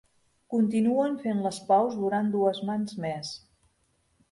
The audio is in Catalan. Continuen fent les paus durant dues mans més.